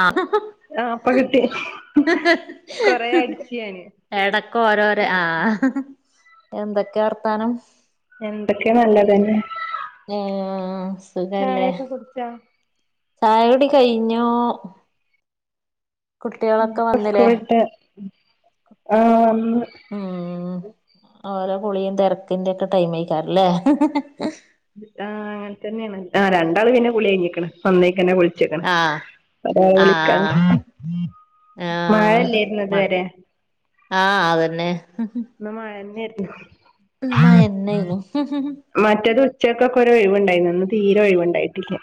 ആഹ് ആഹ് ഇപ്പകിട്ടി കൊറെ അടിച്ച്ഞാന് എടക്ക് ഓരോരെ ആഹ് എന്തൊക്കെ വർത്താനം എന്തൊക്കെ നല്ലത് തന്നെ ദേ ആഹ് ആഹ് ചായക്കെ കുടിച്ചാ ചായകുടി കഴിഞ്ഞു കുട്ടികളൊക്കെ ഇപ്പ വന്നില്ലേ സ്കൂളിട്ട് ആഹ് ഉം ഓരോ കുളിയും തിരക്കിന്റെ ഒക്കെ ടൈം ആയിക്കാ ല്ലേ ആഹ് അങ്ങനെ തന്നെയാണ് ആ രണ്ടാള് പിന്നെ കുളി കഴിഞ്ഞേക്കണ് വന്നേക്കന്നെ കുളി കുളിച്ചികണ് ആഹ് വിളിക്കാൻ ആഹ് ആഹ് മഴയല്ലായിരുന്നോ ഇത് മ വരെ ആഹ് അതന്നെ ഇന്ന് മഴ തന്നെയായിരുന്നു ഉം മഴയെന്നഴിഞ്ഞു മറ്റത് ഉച്ചക്കക്കൊരു ഒഴിവുണ്ടായിന്നു ഇന്ന് തീരെ ഒഴിവുണ്ടായിട്ടില്ല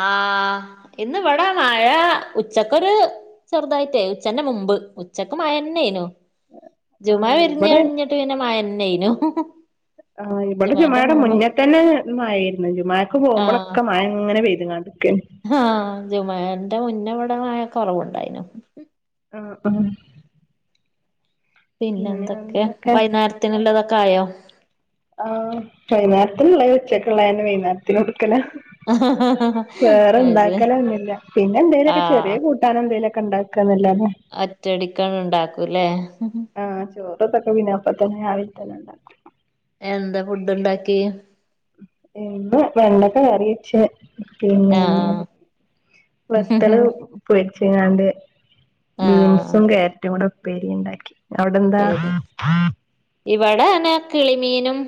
ആഹ് ഇന്ന് ഇവിടെ മഴ ഉച്ചക്കൊരു ചെറുതായിട്ട ഉച്ചന്റെ മുമ്പ് ഉച്ചക്ക് മഴന്നായിനു ജുമുഅ ആഹ് പിരിഞ്ഞ് ഇവിടെ കഴിഞ്ഞിട്ട് പിന്നെ മഴന്നയിനു ആ ഇവിടെ ജുമുഅയുടെ മുന്നേ തന്നെ മഴയാരുന്നു ജുമുഅക്ക് ആഹ് പോകുമ്പോളൊക്കെ മയങ്ങനെ പെയ്തങ്ങാണ്ട് നിക്കാരുന്ന് ആഹ് ജുമുഅന്റെ മുന്നവിടെ മഴ കുറവുണ്ടായിനു ആഹ് ആഹ് പിന്നെ പിന്നെന്തക്കെ എന്തൊക്കെ വൈന്നേരത്തിനുള്ളതൊക്കെ ആയോ? ആ വൈനാരത്തിനുള്ളത് ഉച്ചക്കുള്ളനെ വൈനാരത്തിനെടുക്കല അത് ശരി വേറെണ്ടാക്കലൊന്നില്ല പിന്നെ എന്തേലുക്കെ ആഹ് ചെറിയ കൂ ട്ടാന എന്തേലൊക്കെ ഉണ്ടാക്കന്നല്ലാതെ ഒറ്റടിക്കങ്ങ്ണ്ടാക്കുംല്ലേ ആഹ് ചോറതൊക്കെ പിന്നാവുമ്പത്തെന് രാവിലെ തന്നെ ണ്ടാക്കും എന്താ ഫുഡ്ണ്ടാക്കി ഇന്ന് വെണ്ടക്ക കറിവെച്ച് പിന്നെ ആഹ് വെത്തല് പൊരിച്ചങ്ങാണ്ട് ആഹ് ബീൻസും കേരറ്റും കൂടെ ഉപ്പേരിണ്ടാക്കി ശരി ഇവിടെ ആണെ കിളിമീനും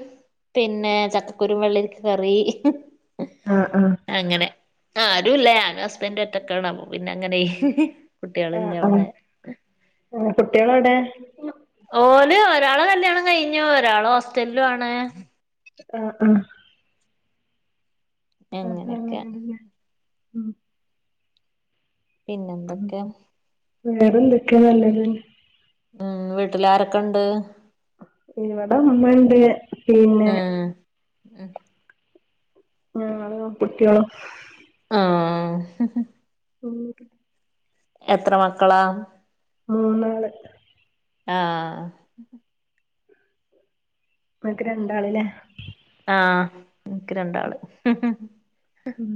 പിന്നെ ചക്കക്കുരും വെള്ളരിക്ക കറി ആഹ് ആഹ് അങ്ങനെ ആരും ഇല്ല ഞാനും ഹസ്ബന്റും ഒറ്റക്കാണ് അപ്പ പിന്ന അങ്ങനെ ആഹ് കുട്ടികളില്ല ആഹ് അവിടെ ആഹ് കുട്ടികളെവിടെ ഓല് ഒരാള് കല്ല്യാണം കഴിഞ്ഞു ഒരാള് ഹോസ്റ്റലിലും ആണ് ആഹ് ആഹ് അങ്ങനൊക്കെ [unintelligible] ഉം പിന്നെന്തൊക്കെ വേറെന്തൊക്കെ നല്ലത് തന്നെ ഉം വീട്ടിൽ ആരൊക്കെ ഉണ്ട്? ഇവിട അമ്മേണ്ട് ആഹ് ഉം ഉം ഞാനും കുട്വേളും ആഹ് ഉം എത്ര മക്കളാ മൂന്നാള് ആ ങ്ങക്ക് രണ്ടാള്ല്ലേ ആഹ് ഇൻക്ക് രണ്ടാള് ഹ് ഹ് ഉം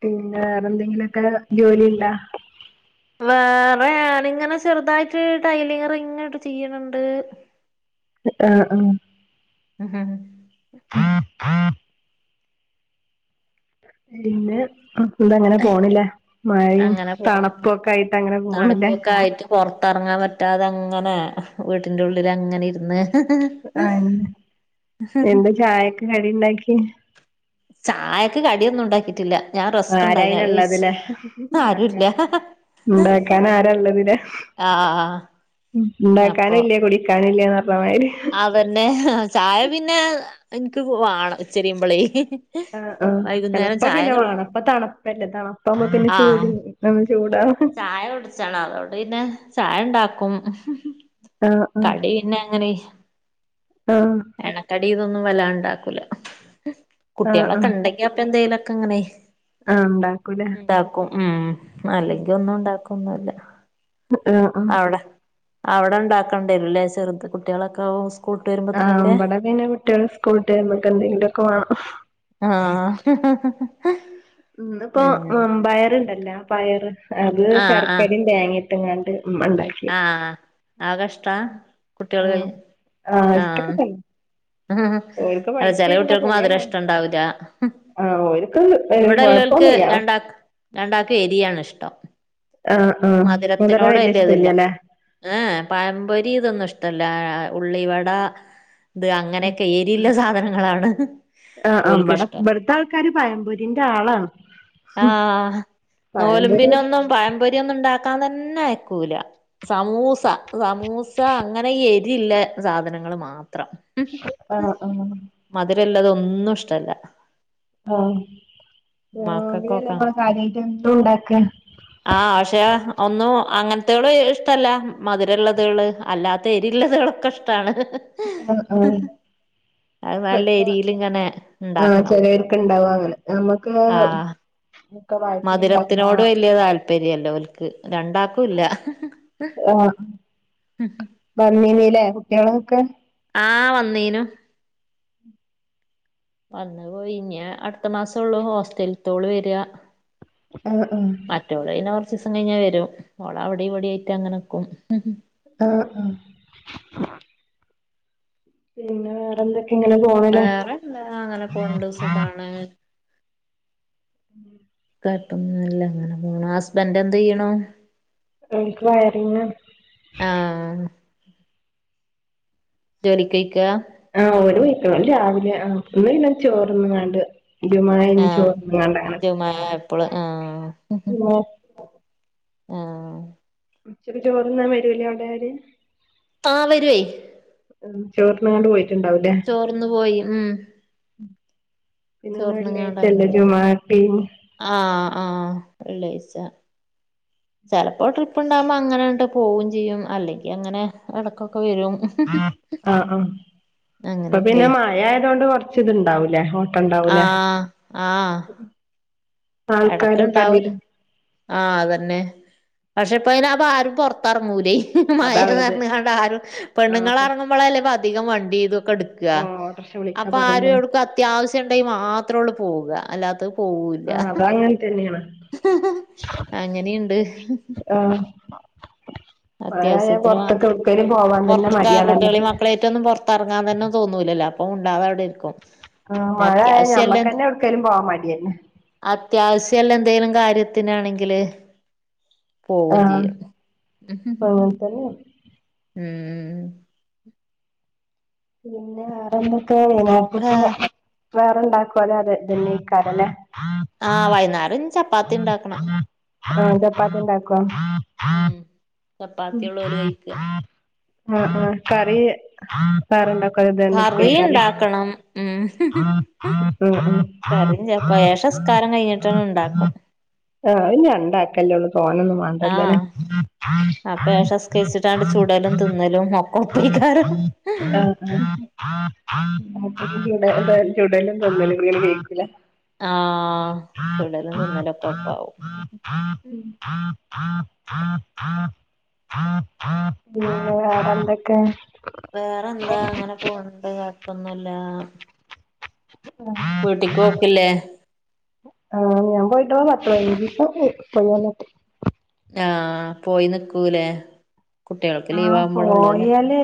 പിന്നെ വേറെന്തെങ്കിലൊക്കെ ജോലിണ്ട വേറെ ഞാനിങ്ങനെ ചെറുതായിട്ട് ടൈലിറിങ്ങട്ട് ചെയ്യണണ്ട് ആഹ് ആഹ് ഉം ഉം [unintelligible] പിന്നെ എന്തങ്ങനെ പോണില്ലേ മഴയും അങ്ങനെ പോണ് തണുപ്പൊക്കായിട്ട് അങ്ങനെ പോണില്ലേ പൊർത്തർങ്ങാൻ പറ്റാതെങ്ങനെ വീട്ടിൻ്റെ ഉള്ളിലങ്ങനെ ഇരുന്ന് ആഹ് എന്താ ചായക്ക് കടിണ്ടാക്കി ചായക്ക് കടിയൊന്നും ഉണ്ടാക്കിട്ടില്ല ഞാൻ റസ്ക് ഉണ്ടായിന് അത് കഴിച്ച് ആരയ്നുള്ളതിലേ ആരുല്ല ഉണ്ടാക്കൻ ഇണ്ടാക്കാൻ ആരള്ളത് ലെ ആഹ് ആഹ് ആഹ് ണ്ടാകാനില്ലേ കുടിക്കാനില്ലേന്നർഞ്ഞ മാതിരി അതന്നെ ആഹ് ചായ പിന്നെ ഇൻക്ക് വാണം ഉച്ചരിമ്പോളേ ആഹ് ആഹ് ചിലപ്പോ പിന്നെ വാണം തണുപ്പല്ലേ തണുപ്പാമ്പോ പിന്നെ ആഹ് ചൂടി ഉം ചൂടാ ചായ കുട്ച്ചണം അതോട് പിന്നെ ചായണ്ടാക്കും ഉഹ് ഉഹ് ആഹ് കടി പിന്നെങ്ങനെയ് ആഹ് എണ്ണക്കടി ഇതൊന്നും വെല്ലാണ്ടാക്കൂല ആഹ് ആഹ് കുട്ട്യാളൊക്കെണ്ടങ്കി പ്പ എന്തെലൊക്കെങ്ങനെയ് ആഹ് ഉണ്ടാക്കൂലേ ഇണ്ടാക്കും ഉം അല്ലെങ്കിഒന്നും ഉണ്ടാക്കൊന്നല്ല ആ ആഹ് അവിടെ അവിടെ ഇണ്ടാക്കണ്ടരുല്ലേ ചെറുത് കുട്ടികളൊക്കെ അവു സ് ആ ഇവടെ പിന്നെ കുട്ട്യാൾ സ്കൂൾട്ട് വരുബോന്തെങ്കിലൊക്കെ വാണം ആഹ് ഇന്നിപ്പോ അങ്ങനെ മമ്പയർണ്ടല്ലോ പയറ് അത് ആഹ് ആഹ് ശർക്കരിം തേങ്ങിം ട്ട് കാണ്ട് ഉമ്മണ്ടാക്കിയെ ആഹ് ആടടത്ത കുട്ടികൾ ആഹ് ആഹ് ആ ഇഷ്ടൊക്കെ തന്നെ ആ ഓര്ക്ക് അല പഴിച്ച് ചെല വരുമ്പോ കുട്ടികൾക്ക് ചെലെ മധുരം നേ ഇഷ്ടണ്ടാവൂല ആഹ് ഓരിക്ക് എഹ് കുഴപ്പൊന്നുല്ല രണ്ടാൾക്ക് എരിയാണ്ഷ്ടം ആഹ് ആഹ് മതുര വല്യ ഇഷ്ട്ടല്ല്യല്ലേ ഏഹ് ഏഹ് പഴംപൊരി ഇതൊന്നും ഇഷ്ട്ടല്ല ഉള്ളിവട ഇത് ആ അങ്ങനൊക്കെ ഏരിയുള്ള സാധനങ്ങളാണ് ആ അമ്പട ഓൽക്കിഷ്ടം ഇവിടുത്തെ ആൾക്കാര് പയമ്പൊരിന്റെ ആളാണ് ആഹ് പഴം പൊരിഇഷ്ട ത്തേ ന്നുണ്ടാക്കാൻ തന്നെയ്ക്കൂല സമൂസ സമൂസ അങ്ങനെ ഈ എരില്ല സാധനങ്ങൾ മാത്രം ആഹ് ആഹ് മധുരില്ലത് ഒന്നും ഇഷ്ടല്ല ആഹ് മക്കൾക്കൊക്കെ [unintelligible] കാര്യയിട്ട് എന്തു ണ്ടാക്ക? ആഹ് ആശ് പക്ഷേ ഒന്നും അങ്ങനത്തള് ഇഷ്ട്ടല്ല മധുരമുള്ളതെള് അല്ലാത്ത എരിള്ളത് കളൊക്കെ ഇഷ് ഷ്ടണ്. ആഹ് അത് നല്ല പൊക്കെ എരിയിലിങ്ങനെ ആഹ് ഇണ്ടാക്കണം ചേലോൽക്ക് ഇണ്ടവും ങ്ങനെ നമ്മുക്ക് ആഹ് ഒക്കെ വയിറ്റിലുണ്ടാവുബളാണ് അറിയ താല്പ്പര്യല്ലഓല്ക്ക്, രണ്ടാക്കുല്ല ആഹ് ബന്നീന്നല്ലേ കുട്ടിളൊക്കെ? ആ വന്നീനു വന്ന് പോയി ഇഞ്ഞി അടുത്ത മാസം ഉള്ളൂ ഹോസ്റ്റലത്തോള് വരിക ആഹ്, ആഹ് മറ്റോള് പിന്നെ കുറച്ച് ദിവസം കഴിഞ്ഞാൽ വരും, ഓള് അവിടെ ഇവിടെ ആയിട്ട് അങ്ങനെ നിക്കും ആഹ് ആഹ് പിന്നെ വേറെന്തൊക്കെ ഇങ്ങനെ പോണ്ലെ ണ് കൊഴപ്പൊന്നുല്ല അങ്ങനെ പോണ്, ഹസ്ബൻഡറ് എന്ത് ചെയ്യണു ഓൽക് വയറിംഗ് ആണ് ആഹ് ജോലിക്ക് പൊയിക്ക? ആഹ് ഓര് പൊയിക്കണ്, ഓല് രാവിലെ ആ ഇന്ന് പിന്നെ ചോറിന്ന് കാണ്ട് ജുമഅ കൈഞ്ഞ് ചോർന്നു കണ്ടു [unintelligible] അപ്പള ആഹ് [unintelligible] ആഹ് [unintelligible] ചോറിന്നാൻ വരൂല്ലേ അവിടെ [unintelligible] ആ വരുയ് ചോറിന്നണ്ട് പോയിട്ടുണ്ടാവും ചോറിന്നു പോയി ഉം പിന്നെ ഇന്നു ചോർന്ന്ങ്ങാണ്ട് അങ്ങനെ വള്ളിയാഴിചയല്ലെ പോയി ജുമാട്ടീ ആഹ് ആഹ് ചിലപ്പോൾ ട്രിപ്പ് ഉണ്ടാകുമ്പോൾ അങ്ങനെണ്ട് പോവും ചെയ്യും അല്ലെങ്കിൽ അങ്ങനെ ഇടക്കൊക്കെ വരും ആഹ്, ആഹ് ഇപ്പൊ പിന്നെ അങ്ങനെയൊക്കെ മഴ ആയത് കൊണ്ട് കൊറച്ച് ഇത്ണ്ടാവൂലേ. ഓട്ടണ്ടാവൂലേ ആഹ് ആഹ് ആൾക്കാരൊക്ക എടക്ക്ണ്ടാവൂല [unintelligible] ആഹ് അതന്നെ പക്ഷെ ഇപ്പ അയിന് അപ്പ ആരും പൊറത്തെറങ്ങൂലേയ് മഴന്ന് അതാള്ളത് പറഞ്ഞാണ്ട് ആരും, ആഹ് അപ്പൊ പെണ്ണുങ്ങളറങ്ങുമ്പോളഅല്ലെ അധികം വണ്ടി ഇതൊക്കെ എടുക്ക കാ ഓട്ടർക്ഷ വിളിക്കാ അപ്പൊ ആരും പറഞ്ഞ് എവിടുക്ക അത്യാവശ്യം ഉണ്ടെങ്കിൽ മാത്രം ഉള്ളൂ പോവ അല്ലാത്ത ആഹ് അതാങ്ത്തെന്നെണ് ഹ്, ഹ് അങ്ങനിണ്ട് ആഹ് മഴ ആയ, അത്യാവശ്യത്തിന് പുറത്തൊക്കൊക്കെ മാത്രം എവിടേക്കേലും പോവാൻ തന്നെ മടി യാണ പൊറത്തർങ്ങാൻ തന്നെ തോന്നൂലല്ല അപ്പൊ മുണ്ടാതെ അവിടെ ഇരിക്കും ആ, പിന്നെ മഴ ആയ അത്യാവശ്യല്ല ഞമ്മക്കന്നെ എവട്ക്കേലും പോവാൻ മടിയാണ് അത്യാവശ്യല്ല എന്തെങ്കിലും കാര്യത്തിനാണെങ്കില് പോവും ചെയ്യും അങ്ങനെ തന്നേ. ഉം പിന്നെ വേറെന്തൊക്കെ ആഹ് വൈന്നേരം [unintelligible] വേറെണ്ടാക്കുവാലേ അതൊ ഇതെന്നേക്കാരംലെ ആഹ വൈന്നാരം ആഹ് ചപ്പാത്തി ഇണ്ടാക്കുവാ. ഉം മ്മ്. ചപ്പാത്തിയൊള്ളൂ ഓല് കഴിക്ക ഉം ഉം കറീ കറി ഇണ്ടാക്ക്വാ [unintelligible] ക്കണം ഉം. ഉം ഉം കറിയും ചപ്പേ എശാസ്കാരം കഴിഞ്ഞിട്ടിണ്ടാക്കും. ആഹ് ഇഞ്ഞ് രണ്ടാക്കല്ലെ ഇള്ളൂ, തോനൊന്നും വേ ണ്ടല്ലോ ല്ലേ? ആഹ് ആഹ് അപ്പൊ ആഹ്. ഏഷസ്കരിച്ചിട്ടാണ്ട് ചുടലും തിന്നലും ഒക്കെ ഒപ്പേയ്ക്കാരം എന്നാപ്പൊ ഇത് [unintelligible] ചുടലും തിന്നലും [unintelligible] വെയ്ക്കൂലെ? ആഹ് ചുടലും തിന്നലൊക്കെ ഒപ്പാവും. ഉം പിന്നെ വേറെന്തൊക്കെയാ? വേറെ എന്താ അങ്ങനെ പോണിണ്ട്. കൊഴപ്പൊന്നുല്ല. മ്മ് വീട്ടിക്ക് പോക്കില്ലേ? ആഹ് ഞാൻ പോയിട്ട് പത്ത് പതിനഞ്ചൂസാറ്റായി പോയി വന്ന്ട്ട്. ആഹ് പോയി നിക്കൂലേ? കുട്ടികൾക്ക് ആഹ് ലീവാവുമ്പളൊള്ളൂല്ലേ പോയാല്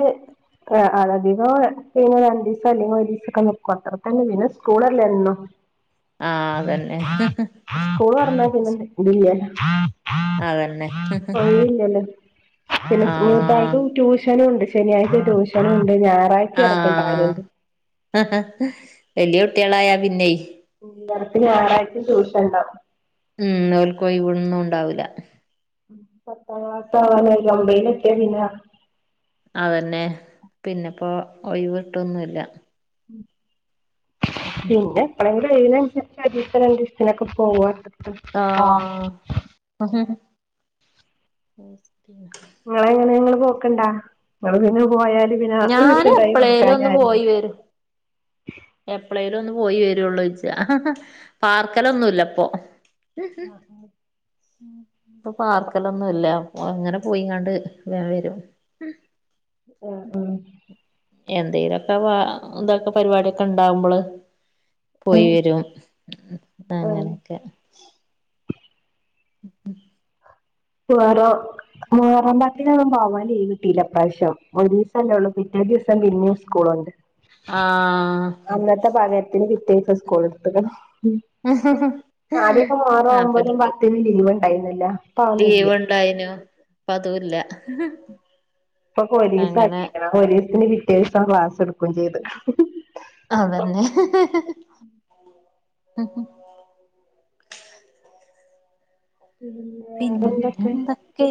ക്ക് അധികോ പിന്നെ രണ്ടീസം അല്ലെങ്കി ഒരീസൊക്കെ നിക്കു അത്ര തന്നെ, പിന്നെ സ്കൂളല്ലെ എന്നു. ആഹ് അതന്നെ ഇസ്ക്കൂള് തൊറന്നാ പിന്നെ നിക്കലില്ലാ അതന്നെ. ആഹ് ട്യൂഷനു ഉണ്ട്. ശനിയാഴ്ച ട്യൂഷനു ഉണ്ട്. ഞായറാഴ് ആഹ്. വല്യ കുട്ട്യേളായാ പിന്നെയ് മ്മ് അട്ത്ത ഞാറാഴ്ചയും ട്യൂഷന്ണ്ടാവും. ഉം ഓൽക്കൊയിവൊന്നു ഉണ്ടാവൂല. അഹ് ആഹ് അതാണ് ഈ ഒമ്പയിലെത്തിയാ പിന്നാ അതന്നെ പിന്നെപ്പോ ഒയിവിട്ടൊന്നുല്ല. മ്മ് പിന്നെ എപ്പളെങ്കിലും ലീവിനന്സരിച്ച് അജീത്ത രണ്ടീസത്തിനൊക്കെ പോവാ ആഹ് ഇങ്ങളെങ്ങനെയാ ഇങ്ങള് പോക്ക്ണ്ടാ? ഇങ്ങള് പിന്നെ പോയാല് പിന്നെ ഞാന് ഇവർക്കിണ്ടായി എപ്പളേലും കൊട്ക്കാനാര് എപ്പളേലു ഒന്ന് പോയി വര്വേള്ളു ഇജ്ജാ. പാർക്കലൊന്നുല്ലപ്പൊ? [inaudible] ഇപ്പ പാർക്കലൊന്നു ഇല്ല. അപ്പൊ അങ്ങനെ പോയിങ്ങാണ്ട് വേം വരും. ആഹ് ആഹ് എന്തേല്വൊക്കെ വാ ഇതൊക്കെ പരിപാടിയൊക്കെ ഇണ്ടാവുമ്പള് പോയി വരും. ആഹ് ആഹ് അങ്ങനെയൊക്കെ ഉ [unintelligible] ചോറോ മുഹറം പത്തിനൊന്നു പോവാൻ ലീവിട്ടീല്ല ഇപ്രാവശ്യം. ഒരു ദിവസല്ലേള്ളൂ പിറ്റേ ദിവസം പിന്നെയും ഇസ്കൂള്ണ്ട്. ആഹ് അന്നത്തെ ഭാഗ്യത്തിന് കിട്ടിയിട്ട സ്കൂള് [unintelligible] ആദ്യൊക്കെ മുഹറം ഒമ്പതിനും പത്തിനും ലീവ്ണ്ടായിര്ന്നല്ലോ? ലീവ്ണ്ടായിനു. ഇപ്പതൂല്ല. ഇപ്പൊ പോലീസാക്കീക്കണാ. പോലീസിന് പിറ്റേദിവസം ക്ലാസ്സെടുക്കൂം ചെയ്ത്. അതന്നെ. ഉ പിന്നെന്താ? കേ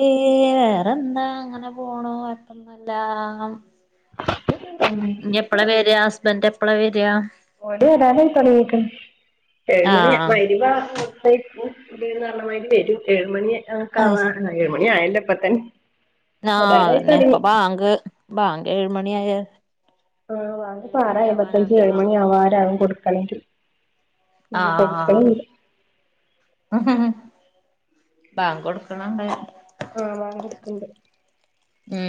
വേറെന്താ അങ്ങനെ പോണൂ. കൊഴപ്പൊന്നുല്ലാ. മ് എപ്പ്ള വെര ഹസ്ബന്റ് എപ്പ്ള വെര ഓന് വരാന് [unintelligible] ഏഴ്മണി ആഹ് മഗ്‌രിബ് ബാങ്ക് കൊടു [unintelligible] പറഞ്ഞ മാതിരി വരും. ഏഴ്മണി ഒക്കെ ആഹ് ആവാൻ ഏഴ് മണി ആയല്ല ഇപ്പത്തന്നെ ആഹാ അതന്നെ ഇപ്പബാങ്ക് ബാങ്ക് ഏഴുമണിആയാ ആഹ് വാങ്ക്പ്പോ ആറേഅയ്മ്പത്തഞ്ച് ബാങ്ക് ഏഴ്മണി കൊടുക്കാൻ ആവാരാകും കൊട്ക്കണെങ്കി ആഹ ആ് ബങ്കൊട്ക്ക്ണണ്ട് ആഹ് വാങ്കൊട്ക്ക്ണ്ട് മ്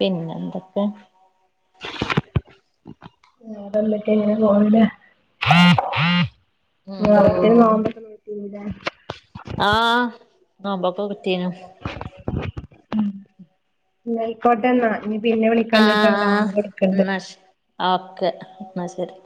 പിന്നെന്തൊക്കെ വേറെന്തെക്കെ ഇങ്ങനെ പോണ് ലെ മുഹറത്തിന് ഉം നോബെല്ലം നോറ്റീനീലെ. ആഹ് നോമ്പോക്കെ നോറ്റീനു മ് ന്ന യിക്കോട്ടെന്നാ. നി പിന്നെ വിളിക്കണ്ട് ട്ടാ ആഹ് ബാങ്കൊട്ക്ക്ണ്ട്. എന്നാ ശ ഓക്കെ ന്നാ ശരി